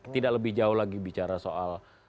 tidak lebih jauh lagi bicara soal